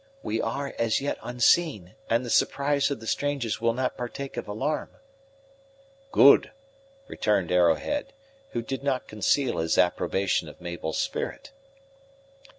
We are, as yet, unseen, and the surprise of the strangers will not partake of alarm." "Good," returned Arrowhead, who did not conceal his approbation of Mabel's spirit.